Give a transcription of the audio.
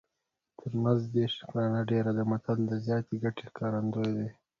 تر مزد یې شکرانه ډېره ده متل د زیاتې ګټې ښکارندوی دی